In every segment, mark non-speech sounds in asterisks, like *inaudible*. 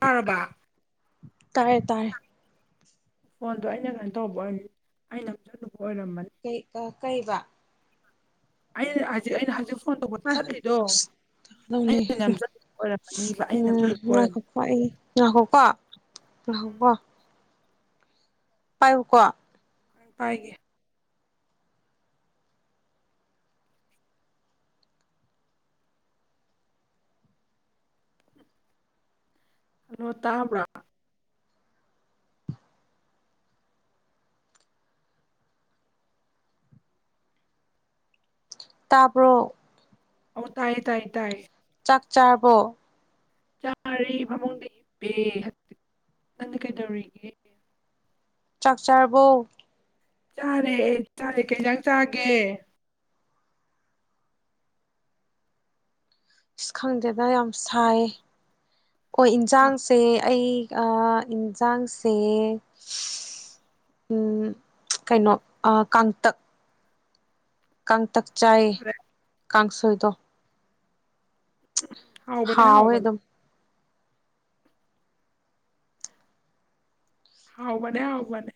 ꯇꯥꯔꯕ꯭ꯔꯥ ꯇꯥꯔꯦ ꯇꯥꯔꯦ ꯐꯣꯟꯗꯣ ꯑꯩꯅ ꯀꯩꯅꯣ ꯇꯧꯕ ꯑꯩꯅ *unintelligible* ꯆꯠꯂꯨꯕ ꯑꯣꯏꯔꯝꯃꯅꯤ ꯀꯩ ꯀꯩꯕ ꯑꯩꯅ *unintelligible* ꯐꯣꯟ ꯇꯧꯕ ꯇꯠꯂꯤꯗꯣ ꯂꯧ ꯂꯩ ꯑꯩꯅ ꯅꯝꯁꯟꯂꯨꯕ ꯑꯣꯏꯔꯝꯃꯅꯤꯕ ꯑꯩꯅ ꯅꯝꯁꯟꯂꯨꯕ ꯍꯣꯏ *unintelligible* ꯉꯥꯏꯈꯣꯀꯣ ꯉꯥꯏꯈꯣꯀꯣ ꯄꯥꯏꯌꯨ ꯀꯣ ꯄꯥꯏꯒꯦ ꯍꯜꯂꯣ ꯇꯥꯕ꯭ꯔꯥ ꯇꯥꯕ꯭ꯔꯣ ꯑꯣ ꯇꯥꯏ ꯇꯥꯏ ꯇꯥꯏ ꯆꯥꯛ ꯆꯥꯔꯕꯣ ꯆꯥꯔꯤ ꯃꯃꯨꯡꯗ ꯍꯤꯞꯄꯦ ꯅꯪꯗꯤ ꯀꯩꯗꯧꯔꯤꯒꯦ ꯆꯥꯛ ꯆꯥꯥꯔꯕꯣ ꯆꯥꯔꯦ ꯑꯦ ꯆꯥꯔꯦ ꯀꯩ ꯏꯟꯖꯥꯡ ꯆꯥꯒꯦ ꯏꯁ ꯈꯪꯗꯦꯗ ꯌꯥꯝ ꯁꯥꯏ ꯑꯣ ꯁꯥ ꯏꯟꯖꯥꯡꯁꯦ ꯑꯩ ꯑꯥ ꯏꯟꯖꯥꯡꯁꯦ ꯁꯁ ꯎꯝ ꯀꯩꯅꯣ ꯑꯥ ꯀꯥꯡꯇꯛ ꯀꯥꯡꯇꯛ ꯆꯥꯏꯌꯦ ꯆꯥꯔꯦ ꯀꯥꯡꯁꯣꯏꯗꯣ ꯍꯥꯎꯕꯅꯦ ꯍꯥꯎꯋꯦ ꯍꯥꯎꯕꯅꯦ ꯑꯗꯨꯝ ꯍꯥꯎꯕꯅꯦ ꯍꯥꯎꯕꯅꯦ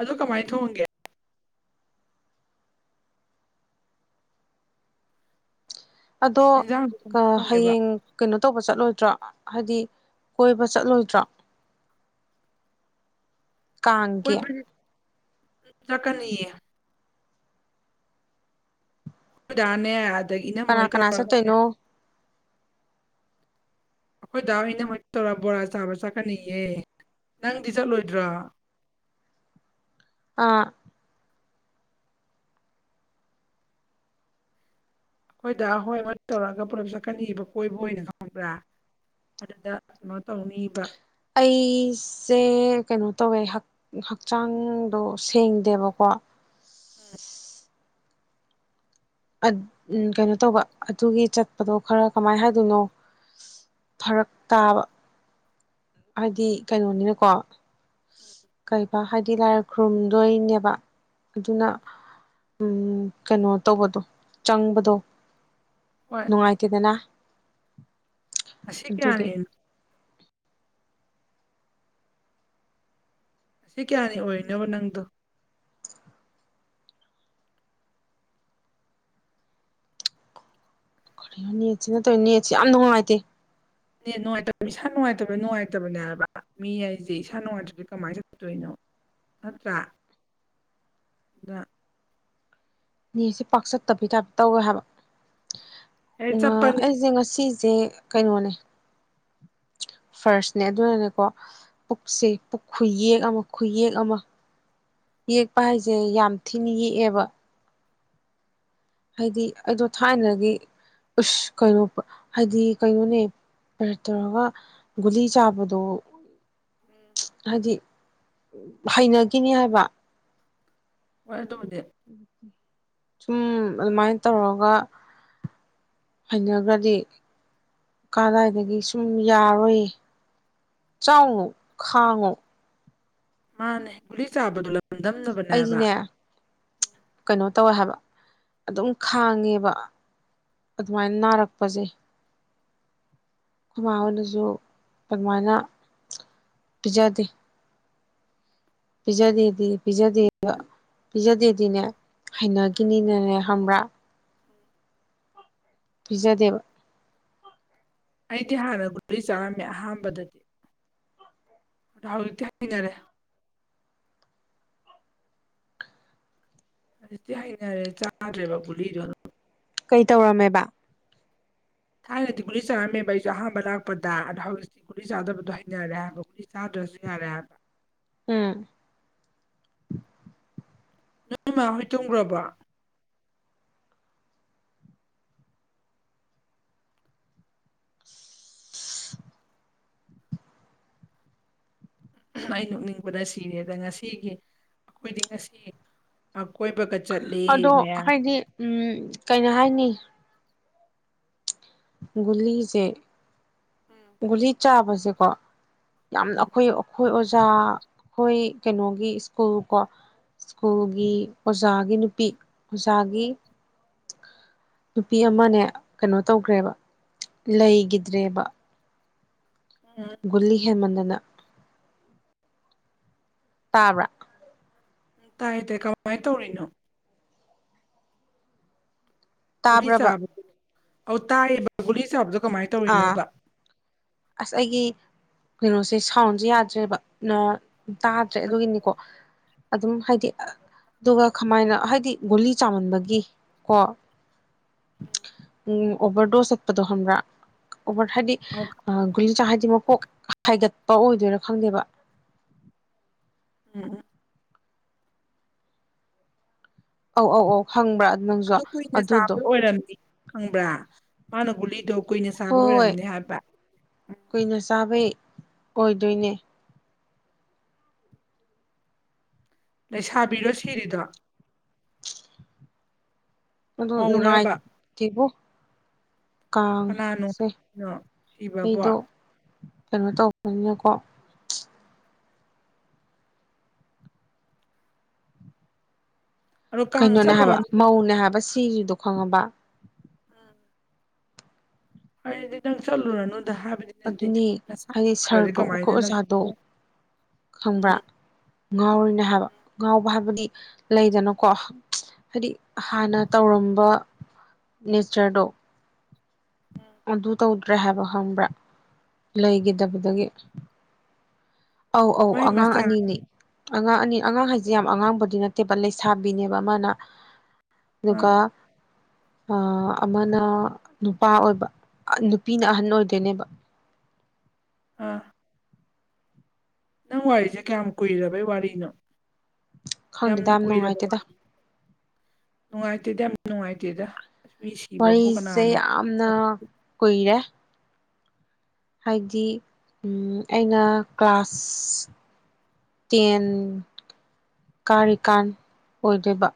ꯑꯗꯨ ꯀꯃꯥꯏ ꯊꯣꯡꯒꯦ ꯑꯗꯣ ꯏꯟꯖꯥꯡꯗꯣ ꯀꯥ ꯀꯃꯥꯏꯅ ꯊꯣꯡꯒꯦꯕ ꯍꯌꯦꯡ ꯀꯩꯅꯣ ꯇꯧꯕ ꯆꯠꯂꯣꯏꯗ꯭ꯔꯣ ꯍꯥꯏꯗꯤ ꯀꯣꯏꯕ ꯆꯠꯂꯣꯏꯗ꯭ꯔꯣ ꯀꯥꯡꯒꯤ ꯀꯣꯏꯕꯗꯤ ꯆꯠꯀꯅꯤꯌꯦ ꯑꯩꯈꯣꯏ ꯗꯥꯅꯦ ꯑꯗꯒꯤ ꯀꯅꯥ ꯏꯅꯝꯃꯍꯣꯏ ꯀꯅꯥ ꯇꯧꯔꯒꯅꯦ ꯆꯠꯇꯣꯏꯅꯣ ꯑꯩꯈꯣꯏ ꯗꯥ ꯏꯅꯝꯃ ꯃꯣꯏ ꯇꯧꯔ ꯕꯣꯔꯥ ꯆꯥꯕ ꯆꯥꯛꯀꯅꯤꯌꯦ ꯅꯪꯗꯤ ꯆꯠꯂꯣꯏꯗ꯭ꯔꯣ ꯑ ꯑꯩꯈꯣꯏꯗ ꯍꯣꯏ ꯃꯣꯏ ꯇꯧꯔꯒ ꯄꯨꯜꯂꯞ ꯆꯠꯀꯅꯤꯕ ꯀꯣꯏꯕ ꯑꯣꯏꯅ ꯈꯪꯕ꯭ꯔꯥ ꯑꯗꯨꯗ *unintelligible* ꯇꯧꯅꯤꯕ ꯑꯩꯁꯦ ꯀꯩꯅꯣ ꯇꯧꯋꯦ ꯍꯛ ꯍꯛꯆꯥꯡꯗꯣ ꯁꯦꯡꯗꯦꯕꯀꯣ *unintelligible* *unintelligible* ꯀꯩꯅꯣ ꯇꯧꯕ ꯑꯗꯨꯒꯤ ꯆꯠꯄꯗꯣ ꯈꯔ ꯀꯃꯥꯏꯅ ꯍꯥꯏꯗꯣꯏꯅꯣ ꯐꯔꯛ ꯇꯥꯕ ꯍꯥꯏꯗꯤ ꯀꯩꯅꯣꯅꯤꯅꯀꯣ ꯀꯩꯕ ꯍꯥꯏꯗꯤ ꯂꯥꯏ ꯈꯨꯔꯨꯝꯗꯣꯏꯅꯦꯕ ꯑꯗꯨꯅ ꯎꯝ ꯀꯩꯅꯣ ꯇꯧꯕꯗꯣ ꯆꯪꯕꯗꯣ ꯍꯣꯏ ꯅꯨꯡꯉꯥꯏꯇꯦꯗꯅ ꯉꯁꯤ ꯑꯗꯨꯒꯤ ꯀꯌꯥꯅꯤꯅꯣ ꯉꯁꯤ ꯀꯌꯥꯅꯤ ꯑꯣꯏꯔꯤꯅꯣꯕ ꯅꯪꯗꯣ ꯀꯩꯅꯣ ꯅꯦꯠꯁꯤꯅ ꯇꯣꯏ ꯅꯦꯠꯁꯦ ꯌꯥꯝ ꯅꯨꯡꯉꯥꯏꯇꯦ ꯅꯦꯠ ꯅꯨꯡꯉꯥꯏꯇꯕ ꯏꯁꯥ ꯅꯨꯡꯉꯥꯏꯇꯕ ꯅꯨꯡꯉꯥꯏꯇꯕꯅꯦ ꯍꯥꯏꯕ ꯃꯤ ꯍꯥꯏꯖꯦ ꯏꯁꯥ ꯅꯨꯡꯉꯥꯏꯇ꯭ꯔꯗꯤ ꯀꯃꯥꯏ ꯆꯠꯀꯗꯣꯏꯅꯣ ꯅꯠꯇ꯭ꯔꯥ ꯑꯗꯨꯅ ꯅꯤꯁꯦ ꯄꯥꯛ ꯆꯠꯇꯕꯩ ꯇꯥꯏꯞꯇ ꯇꯧꯋꯦ ꯍꯥꯏꯕ ꯍꯦꯛ ꯎꯉꯥ ꯆꯠꯄꯅꯦ ꯑꯩꯖꯦ ꯉꯁꯤ ꯆꯦ ꯀꯩꯅꯣꯅꯦ ꯐꯥꯔꯁꯅꯦ ꯑꯗꯨꯅꯅꯦꯀꯣ ꯄꯨꯛꯁꯦ ꯄꯨꯛ ꯈꯨꯌꯦꯛ ꯑꯃ ꯈꯨꯌꯦꯛ ꯑꯃ ꯌꯦꯛꯄ ꯍꯥꯏꯖꯦ ꯌꯥꯝ ꯊꯤꯅ ꯌꯦꯛꯑꯦꯕ ꯍꯥꯏꯗꯤ ꯑꯩꯗꯣ ꯊꯥꯏꯅꯒꯤ ꯎꯁ ꯀꯩꯅꯣ ꯍꯥꯏꯗꯤ ꯀꯩꯅꯣꯅꯦ ꯄꯦꯔꯠ ꯇꯧꯔꯒ ꯒꯨꯂꯤ ꯆꯥꯕꯗꯣ ꯍꯥꯏꯗꯤ ꯍꯩꯅꯒꯤꯅꯤ ꯍꯥꯏꯕ ꯍꯣꯏ ꯑꯗꯨꯕꯨꯗꯤ ꯁꯨꯝ ꯑꯗꯨꯃꯥꯏ ꯇꯧꯔꯒ ꯍꯩꯅꯒ꯭ꯔꯗꯤ ꯀꯗꯥꯏꯗꯒꯤ ꯁꯨꯝ ꯌꯥꯔꯔꯣꯏꯌꯦ ꯆꯥꯎꯅꯣ ꯈꯥꯡꯉꯣ ꯃꯥꯅꯦ ꯒꯨꯂꯤ ꯆꯥꯕꯗꯨ ꯂꯝ ꯑꯩꯗꯤꯅꯦ ꯀꯩꯅꯣ ꯇꯧꯋꯦ ꯍꯥꯏꯕ ꯑꯗꯨꯝ ꯈꯥꯡꯉꯦꯕ ꯑꯗꯨꯃꯥꯏ ꯅꯥꯔꯛꯄꯖꯦ ꯈꯨꯃꯥꯍꯣꯏꯅꯖꯨ ꯑꯗꯨꯃꯥꯏꯅ ꯄꯤꯖꯗꯦ ꯄꯤꯖꯗꯦꯗꯤ ꯄꯤꯖꯗꯦꯕ ꯄꯤꯖꯗꯦꯗꯤꯅꯦ ꯍꯩꯅꯒꯤꯅꯤꯅꯅꯦ ꯈꯪꯕ꯭ꯔꯥ ꯄꯤꯖꯗꯦꯕ ꯑꯩꯗꯤ ꯍꯥꯟꯅ ꯒꯨꯂꯤ ꯆꯥꯔꯝꯃꯦ ꯑꯍꯥꯟꯕꯗꯗꯤ ꯑꯗꯣ ꯍꯧꯖꯤꯛꯇꯤ ꯍꯩꯅꯔꯦ ꯍꯧꯖꯤꯛꯇꯤ ꯍꯩꯅꯔꯦ ꯆꯥꯗ꯭ꯔꯦꯕ ꯒꯨꯂꯤꯗꯣ ꯑꯗꯨꯝ ꯀꯩ ꯇꯧꯔꯝꯃꯦꯕ ꯊꯥꯏꯅꯗꯤ ꯒꯨꯂꯤ ꯆꯥꯔꯝꯃꯦꯕ ꯑꯩꯖꯨ ꯑꯍꯥꯟꯕ ꯂꯥꯛꯄꯗ ꯑꯗꯣ ꯍꯧꯖꯤꯛꯇꯤ ꯒꯨꯂꯤ ꯆꯥꯗꯕꯗꯣ ꯍꯩꯅꯔꯦ ꯍꯥꯏꯕ ꯒꯨꯂꯤ ꯆꯥꯗ꯭ꯔꯖꯨ ꯌꯥꯔꯦ ꯍꯥꯏꯕ ꯎꯝ ꯅꯣꯏꯃꯥ ꯍꯣꯏ ꯇꯨꯝꯒꯔꯕꯣ *unintelligible* ꯃꯥꯏ ꯅꯣꯛꯅꯤꯡꯕꯗ ꯁꯤꯔꯦꯗ ꯉꯁꯤꯒꯤ ꯑꯩꯈꯣꯏꯗꯤ ꯉꯁꯤ ꯑꯀꯣꯏꯕꯒ ꯆꯠꯂꯦ ꯑꯗꯣ ꯃꯌꯥꯝ ꯍꯥꯏꯗꯤ ꯎꯝ ꯀꯩꯅꯣ ꯍꯥꯏꯅꯤ ꯒꯨꯂꯤꯁꯦ ꯎꯝ ꯒꯨꯂꯤ ꯆꯥꯕꯁꯦꯀꯣ ꯌꯥꯝꯅ ꯎꯝ ꯑꯩꯈꯣꯏ ꯑꯩꯈꯣꯏ ꯑꯣꯖꯥ ꯑꯩꯈꯣꯏ ꯀꯩꯅꯣꯒꯤ ꯁ꯭ꯀꯨꯜ ꯀꯣ ꯁ꯭ꯀꯨꯜꯒꯤ ꯑꯣꯖꯥꯒꯤ ꯅꯨꯄꯤ ꯑꯣꯖꯥꯒꯤ ꯅꯨꯄꯤ ꯑꯃꯅꯦ ꯀꯩꯅꯣ ꯇꯧꯒ꯭ꯔꯦꯕ ꯂꯩꯒꯤꯗ꯭ꯔꯦꯕ ꯎꯝ ꯒꯨꯂꯤ ꯍꯦꯟꯃꯟꯗꯅ ꯇꯥꯕ꯭ꯔꯥ ꯎꯝ ꯇꯥꯏ ꯇꯥꯏ ꯀꯃꯥꯏ ꯇꯧꯔꯤꯅꯣ ꯒꯨꯂꯤ ꯇꯥꯕ꯭ꯔꯕ ꯆꯥꯕ ꯑꯥꯎ ꯇꯥꯏꯌꯦꯕ ꯒꯨꯂꯤ ꯆꯥꯕꯗꯣ ꯀꯃꯥꯏꯅ ꯑꯥ ꯇꯧꯔꯤꯅꯣꯕ ꯑꯥꯁ ꯑꯩꯒꯤ ꯀꯩꯅꯣꯁꯦ ꯁꯥꯎꯟꯁꯦ ꯌꯥꯗ꯭ꯔꯦꯕ ꯅꯥ ꯇꯥꯗ꯭ꯔꯦ ꯑꯗꯨꯒꯤꯅꯤꯀꯣ ꯑꯗꯨꯝ ꯍꯥꯏꯗꯤ ꯑꯗꯨꯒ ꯀꯃꯥꯏꯅ ꯍꯥꯏꯗꯤ ꯒꯨꯂꯤ ꯆꯥꯃꯟꯕꯒꯤ ꯀꯣ ꯎꯝ ꯑꯣꯚꯔꯗꯣꯁ ꯆꯠꯄꯗꯣ ꯈꯪꯕ꯭ꯔꯥ ꯑꯣꯕꯔ ꯍꯥꯏꯗꯤ ꯑꯧ ꯒꯨꯂꯤ ꯆꯥ ꯍꯥꯏꯗꯤ ꯃꯀꯣꯛ ꯍꯥꯏꯒꯠꯄ ꯑꯣꯏꯗꯣꯏꯔꯥ ꯈꯪꯗꯦꯕ ꯎꯝ ꯎꯝ ꯑꯧ ꯑꯧ ꯑꯧ ꯈꯪꯕ꯭ꯔꯥ ꯅꯪꯁꯨ ꯑꯗꯨ ꯀꯨꯏꯅ ꯆꯥꯕ ꯑꯗꯨꯗꯣ ꯑꯣꯏꯔꯝꯅꯤ ꯈꯪꯕ꯭ꯔꯥ ꯃꯥꯅ ꯒꯨꯂꯤꯗꯣ ꯀꯨꯏꯅ ꯆꯥꯕ ꯍꯣꯏ ꯍꯣꯏ ꯑꯣꯏꯔꯝꯅꯦ ꯍꯥꯏꯕ ꯀꯨꯏꯅ ꯆꯥꯕꯩ ꯑꯣꯏꯗꯣꯏꯅꯦ ꯂꯩꯁꯥꯕꯤꯔꯣ ꯁꯤꯔꯤꯗꯣ ꯑꯣ ꯃꯧꯔꯕ ꯅꯨꯡꯉꯥꯏꯇꯦꯕꯣ ꯀꯥꯡ ꯀꯅꯥꯅꯣ ꯁꯦ ꯀꯅꯣ ꯁꯤꯕꯕꯣ ꯑꯩꯗꯣ ꯀꯩꯅꯣ ꯇꯧ *unintelligible* ꯑꯗꯣ ꯀꯥꯡ ꯀꯩꯅꯣꯅꯦ ꯍꯥꯏꯕ ꯆꯠꯂꯨꯔꯅꯨꯗ ꯃꯧꯅꯦ ꯍꯥꯏꯕ ꯁꯤꯔꯤꯗꯣ ꯈꯪꯉꯕꯥ ꯎꯝ ꯑꯗꯨꯗꯤ ꯅꯪ ꯆꯠꯂꯨꯔꯅꯨꯗ ꯍꯥꯏꯕꯗꯤ ꯅꯠꯇꯦ ꯑꯗꯨꯅꯤ ꯅꯁꯥ ꯍꯥꯏꯗꯤ ꯗ꯭ꯔꯗꯤ ꯁꯥꯔꯗꯣ ꯑꯩꯈꯣꯏ ꯀꯃꯥꯏꯅ ꯅ ꯑꯣꯖꯥꯗꯣ ꯈꯪꯕ꯭ꯔꯥ ꯉꯥꯎꯔꯤꯅꯦ ꯍꯥꯏꯕ ꯉꯥꯎꯕ ꯍꯥꯏꯕꯗꯤ ꯂꯩꯗꯅꯀꯣ ꯍꯥꯏꯗꯤ ꯍꯥꯟꯅ ꯇꯧꯔꯝꯕ ꯅꯦꯆꯔꯗꯣ ꯑꯗꯨ ꯇꯧꯗ꯭ꯔꯦ ꯍꯥꯏꯕ ꯈꯪꯕ꯭ꯔꯥ ꯂꯩꯈꯤꯗꯕꯗꯒꯤ ꯑꯧ ꯑꯧ ꯃꯥꯏ ꯑꯉꯥꯡ ꯃꯆꯥ ꯑꯅꯤꯅꯦ ꯑꯉꯥꯡ ꯑꯅꯤ ꯑꯉꯥꯡ ꯍꯥꯏꯁꯦ ꯌꯥꯝ ꯑꯉꯥꯡꯕꯗꯤ ꯅꯠꯇꯦꯕ ꯂꯩꯁꯥꯕꯤꯅꯦꯕ ꯑꯃꯅ ꯑꯗꯨꯒꯥ ꯑꯥ ꯑꯥ ꯑꯃꯅ ꯅꯨꯄꯥ ꯑꯣꯏꯕ ꯅꯨꯄꯤꯅ ꯑꯍꯟ ꯑꯣꯏꯗꯣꯏꯅꯦꯕ ꯑꯥ ꯅꯪ ꯋꯥꯔꯤꯁꯦ ꯀꯌꯥꯝ ꯀꯨꯏꯔꯕꯩ ꯋꯥꯔꯤꯅꯣ ꯈꯪꯗꯦꯗ ꯌꯥꯝꯅ ꯌꯥꯝ ꯀꯨꯏꯔꯕ ꯅꯨꯡꯉꯥꯏꯇꯦꯗ ꯋꯥꯔꯤ ꯅꯨꯡꯉꯥꯏꯇꯦꯗ ꯌꯥꯝ ꯅꯨꯡꯉꯥꯏꯇꯦꯗ ꯑꯁꯏ ꯁꯤꯕꯕꯨ ꯀꯅꯥꯅꯣ ꯅ ꯀꯨꯏꯔꯦ ꯍꯥꯏꯗꯤ ꯑꯩꯅ ꯀ꯭ꯂꯥꯁ ꯇꯦꯟ ꯀꯥꯔꯤꯀꯥꯟ ꯑꯣꯏꯗꯣꯏꯕ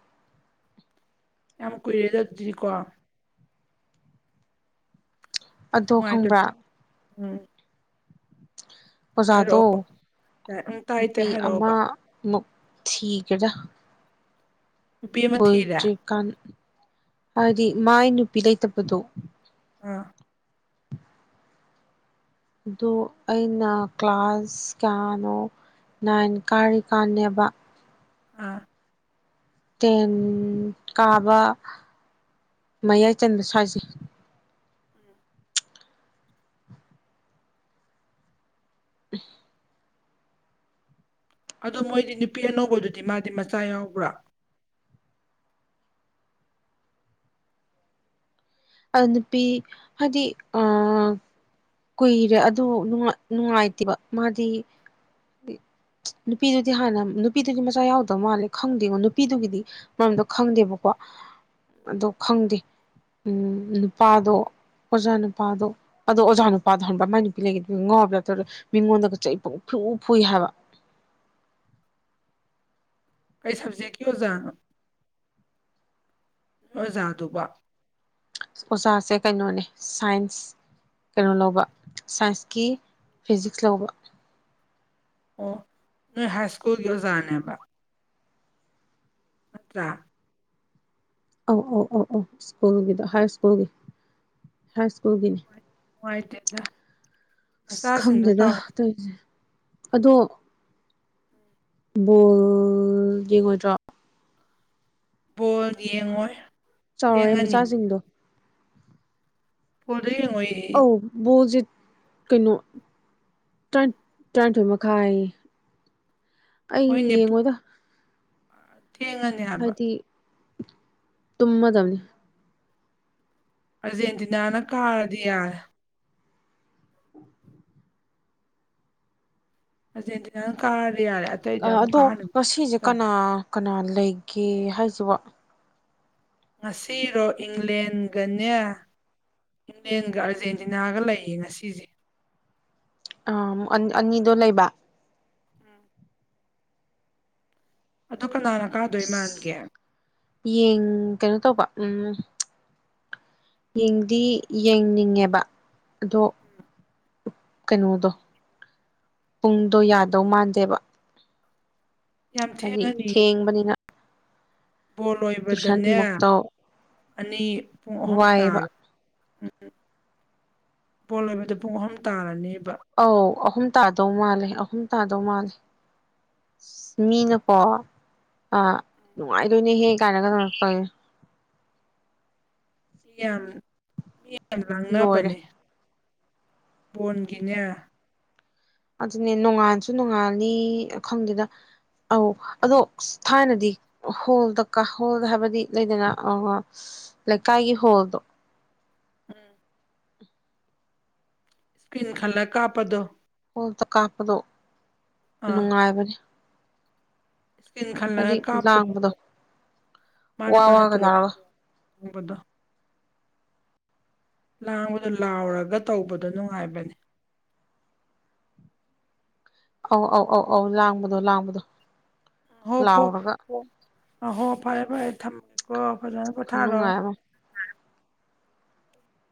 ꯌꯥꯝ ꯀꯨꯏꯔꯦꯗ ꯑꯗꯨꯗꯤꯀꯣ ꯑꯗꯣ ꯅꯨꯡꯉꯥꯏꯔꯗꯤ ꯈꯪꯕ꯭ꯔꯥ ꯎꯝ ꯍꯥꯏꯔꯛꯑꯣ ꯑꯣꯖꯥꯗꯣ ꯎꯝ ꯇꯥꯏ ꯇꯥꯏ ꯅꯨꯄꯤ ꯍꯥꯏꯔꯛꯑꯣꯕ ꯑꯃꯃꯨꯛ ꯊꯤꯒꯔꯦꯗꯥ ꯅꯨꯄꯤ ꯑꯃ ꯊꯤꯔꯦ ꯑꯣꯏꯗ꯭ꯔꯤꯀꯥꯟ ꯍꯥꯏꯗꯤ ꯃꯥꯏ ꯅꯨꯄꯤ ꯂꯩꯇꯕꯗꯣ ꯑꯥ ꯑꯗꯨ ꯑꯩꯅ ꯀ꯭ꯂꯥꯁ ꯀꯌꯥꯅꯣ ꯅꯥꯏꯟ ꯀꯥꯔꯤꯀꯥꯟꯅꯦꯕ ꯑꯥ ꯇꯦꯟ ꯀꯥꯕ ꯃꯌꯥꯏ ꯆꯟꯕ ꯁ꯭ꯋꯥꯏꯖꯩ *inaudible* ꯑꯗꯨ ꯃꯣꯏꯗꯤ ꯅꯨꯄꯤ ꯑꯅꯧꯕꯗꯨꯗꯤ ꯃꯥꯗꯤ ꯃꯆꯥ ꯌꯥꯎꯕ꯭ꯔꯥ ꯑꯥ ꯅꯨꯄꯤ ꯍꯥꯏꯗꯤ ꯑꯥ ꯀꯨꯏꯔꯦ ꯑꯗꯨ ꯅꯨꯡꯉꯥꯏꯇꯦꯕ ꯃꯥꯗꯤ *inaudible* ꯅꯨꯄꯤꯗꯨꯗꯤ ꯍꯥꯟꯅ ꯅꯨꯄꯤꯗꯨꯗꯤ ꯃꯆꯥ ꯌꯥꯎꯗ ꯃꯥꯜꯂꯦ ꯈꯪꯗꯦꯉꯣ ꯅꯨꯄꯤꯗꯨꯒꯤꯗꯤ ꯃꯔꯝꯗꯣ ꯈꯪꯗꯦꯕꯀꯣ ꯑꯗꯣ ꯈꯪꯗꯦ ꯎꯝ ꯅꯨꯄꯥꯗꯣ ꯑꯣꯖꯥ ꯅꯨꯄꯥꯗꯣ ꯑꯗꯣ ꯑꯣꯖꯥ ꯅꯨꯄꯥꯗꯣ ꯍꯟꯕ ꯃꯥꯏ ꯅꯨꯄꯤ ꯂꯩꯒꯗ ꯉꯥꯎꯕ꯭ꯔꯥꯧꯔ ꯃꯤꯉꯣꯟꯗꯒ ꯐꯨ ꯐꯨꯏ ꯍꯥꯏꯕ ꯀꯩ ꯁꯕꯖꯦꯛꯀꯤ ꯑꯣꯖꯥꯅꯣ ꯅꯣꯏ ꯑꯣꯖꯥꯗꯨꯕꯣ ꯑꯣꯖꯥꯁꯦ ꯀꯩꯅꯣꯅꯦ ꯁꯥꯏꯟꯁ ꯀꯩꯅꯣ ꯂꯧꯕ ꯁꯥꯏꯟꯁꯀꯤ ꯐꯤꯖꯤꯛꯁ ꯂꯧꯕ ꯑꯣ ꯅꯣꯏ ꯍꯥꯏ ꯁ꯭ꯀꯨꯜꯒꯤ ꯑꯣꯖꯥꯅꯦꯕ ꯅꯠꯇꯔꯥ ꯑꯧ ꯑꯧ ꯑꯧ ꯑꯧ ꯁ꯭ꯀꯨꯜꯒꯤꯗ ꯍꯥꯏ ꯁ꯭ꯀꯨꯜꯒꯤ ꯍꯥꯏ ꯁ꯭ꯀꯨꯜꯒꯤꯅꯤ ꯅꯨꯡꯉꯥꯏꯇꯦꯗ ꯑꯁ ꯃꯆꯥꯁꯤꯡꯗꯣ ꯈꯪꯗꯦꯗ ꯆꯥꯎ ꯇꯧꯔꯤꯁꯦ ꯑꯗꯣ ꯕꯣꯜ ꯌꯦꯡꯉꯣꯏꯗ꯭ꯔꯣ ꯕꯣꯜ ꯌꯦꯡꯉꯣꯏ ꯆꯥꯎꯔꯑꯦ ꯊꯦꯡꯉꯅꯤ ꯃꯆꯥꯁꯤꯡꯗꯣ ꯐꯣꯟꯗ ꯌꯦꯡꯉꯣꯏꯌꯦ ꯑꯧ ꯕꯣꯜꯁꯦ ꯀꯩꯅꯣ ꯇꯔꯥꯏꯟ ꯇꯔꯥꯅꯤꯊꯣꯏ ꯃꯈꯥꯏ ꯑꯩ ꯍꯣꯏꯅꯦ ꯄꯨ ꯌꯦꯡꯉꯣꯏꯗ ꯑ ꯊꯦꯡꯉꯅꯤ ꯍꯥꯏꯕ ꯍꯥꯏꯗꯤ ꯇꯨꯝꯃꯗꯕꯅꯤ ꯑꯔꯖꯦꯟꯇꯤꯅꯥꯅ ꯀꯥꯔꯗꯤ ꯌꯥꯔꯦ ꯑꯔꯖꯦꯟꯇꯤꯅꯥꯅ ꯀꯥꯔꯌꯥꯦ ꯑꯗꯣ ꯉꯁꯤꯁꯦ ꯀꯅꯥ ꯀꯅꯥ ꯂꯩꯒꯦ ꯍꯥꯏꯁꯤꯕ ꯉꯁꯤꯔꯣ ꯏꯪꯂꯦꯟꯒꯅꯦ ꯏꯪꯂꯦꯟꯒ ꯑꯥꯔꯖꯦꯟꯇꯤꯅꯥꯒ ꯂꯩꯌꯦ ꯉꯁꯤꯁꯦ ꯑꯧ ꯑ ꯑꯅꯤꯗꯣ ꯂꯩꯕ ꯑꯗꯣ ꯀꯅꯥꯅ ꯀꯥꯗꯣꯏ ꯑꯁ ꯃꯥꯟꯒꯦ ꯌꯦꯡ ꯀꯩꯅꯣ ꯇꯧꯕ ꯎꯝ ꯌꯦꯡꯗꯤ ꯌꯦꯡꯅꯤꯡꯉꯦꯕ ꯑꯗꯣ ꯀꯩꯅꯣꯗꯣ ꯄꯨꯡꯗꯣ ꯌꯥꯗꯧ ꯃꯥꯟꯗꯦꯕ ꯌꯥꯝ ꯍꯥꯏꯗꯤ ꯊꯦꯡꯉꯅꯤ ꯊꯦꯡꯕꯅꯤꯅ ꯕꯣꯜ ꯂꯣꯏꯕꯗꯅꯦ ꯇꯨꯏꯁꯟꯃꯨꯛꯇ ꯑꯅꯤ ꯄꯨꯡ ꯑꯍꯨꯝ ꯋꯥꯏꯑꯦꯕ ꯇꯥꯔ ꯎꯝ ꯕꯣꯜ ꯂꯣꯏꯕꯗ ꯄꯨꯡ ꯑꯍꯨꯝ ꯇꯥꯔꯅꯦꯕ ꯑꯧ ꯑꯍꯨꯝ ꯇꯥꯗꯧ ꯃꯥꯜꯂꯦ ꯑꯍꯨꯝ ꯇꯥꯗꯧ ꯃꯥꯜꯂꯦ ꯃꯤꯅꯀꯣ ꯑꯥ ꯅꯨꯡꯉꯥꯏꯗꯣꯏꯅꯦ ꯍꯦ ꯀꯥꯏꯅꯒ ꯍꯪꯉꯛꯇꯣꯏꯅꯦ ꯃꯤꯌꯥꯝ ꯃꯤꯌꯥꯝ ꯂꯣꯏꯔꯦ ꯂꯥꯡꯅꯕꯅꯦ ꯕꯣꯟꯒꯤꯅꯦ ꯑꯗꯨꯅꯦ ꯅꯣꯡꯉꯥꯜꯁꯨ ꯅꯣꯡꯉꯥꯅꯤ ꯈꯪꯗꯦꯗ ꯑꯧ ꯑꯗꯣ ꯊꯥꯏꯅꯗꯤ ꯍꯣꯜꯗ ꯀꯥ ꯍꯣꯜ ꯍꯥꯏꯕꯗꯤ ꯂꯩꯗꯅ ꯑꯥ ꯂꯩꯀꯥꯏꯒꯤ ꯍꯣꯜꯗꯣ ꯎꯝ ꯏꯁꯀ꯭ꯔꯤꯟ ꯈꯜꯂꯒ ꯀꯥꯞꯄꯗꯣ ꯍꯣꯜꯇ ꯀꯥꯞꯄꯗꯣ ꯅꯨꯡꯉꯥꯏꯕꯅꯦ ꯏꯁꯀꯤꯟ ꯈꯜꯂꯒ ꯍꯥꯏꯗꯤ ꯀꯥꯞꯄꯗ ꯂꯥꯡꯕꯗꯣ ꯃꯥꯅꯦ ꯋꯥ ꯃꯥꯅꯦ ꯋꯥꯒ ꯄꯨꯂꯞ ꯂꯥꯎꯔꯒ ꯄꯟꯕꯗꯣ ꯂꯥꯡꯕꯗꯣ ꯂꯥꯎꯔꯒ ꯇꯧꯕꯗꯣ ꯅꯨꯡꯉꯥꯏꯕꯅꯦ ꯑꯧ ꯑꯧ ꯑꯧ ꯑꯧ ꯂꯥꯡꯕꯗꯣ ꯂꯥꯡꯕꯗꯣ ꯎꯝ ꯍꯣ ꯂꯥꯎꯔꯒ ꯐꯣ ꯑ ꯍꯣ ꯐꯔꯦ ꯐꯔꯦ ꯊꯝꯃꯒꯀꯣ ꯐꯖꯅ ꯄꯣꯊꯥꯔꯑꯣ ꯈꯨꯅꯨꯡꯉꯥꯏ ꯑꯃ